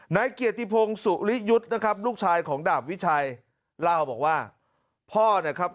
นายเกียรติพงศุริยุทธ์นะครับลูกชายของดาบวิชัยเล่าบอกว่าพ่อนะครับ